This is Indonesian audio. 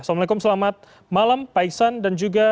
assalamualaikum selamat malam pak iksan dan juga